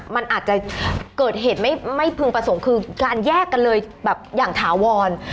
มันอาจจะเกิดเหตุไม่พึงประสงค์คือการแยกกันเลยแบบอย่างถาวร